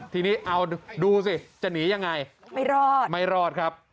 ทีนี้เอาดูสิจะหนียังไงไม่รอดไม่รอดครับ